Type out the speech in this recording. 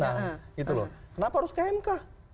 nah gitu loh kenapa harus ke mk